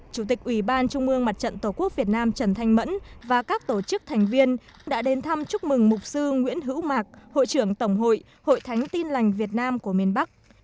chủ tịch ủy ban trung ương mặt trận tổ quốc việt nam trần thanh mẫn và các tổ chức thành viên đã đến thăm chúc mừng mục sư nguyễn hữu mạc hội trưởng tổng hội hội thánh tin lành việt nam của miền bắc